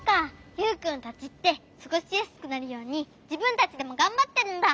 ユウくんたちってすごしやすくなるようにじぶんたちでもがんばってるんだ。